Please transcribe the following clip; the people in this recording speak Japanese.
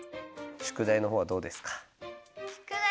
宿題のほうはどうですか？